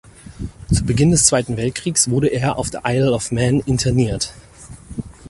Zu Beginn des Zweiten Weltkriegs wurde er auf der Isle of Man interniert.